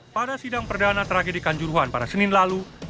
pada sidang perdana tragedikan juruhan pada senin lalu